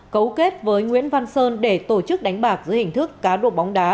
cấu kết với nguyễn văn sơn để tổ chức đánh bạc dưới hình thức cá độ bóng đá